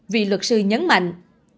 vì luật sư nhấn mạnh